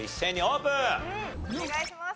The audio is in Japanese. お願いします。